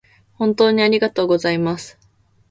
本当にありがとうございます